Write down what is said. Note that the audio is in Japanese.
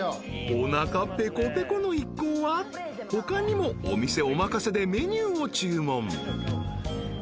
［おなかぺこぺこの一行は他にもお店お任せでメニューを注文］